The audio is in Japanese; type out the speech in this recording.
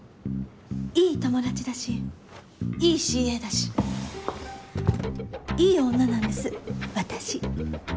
いい友達だしいいＣＡだしいい女なんです私。